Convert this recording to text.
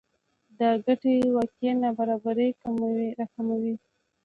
دا ګټې واقعي نابرابری راکموي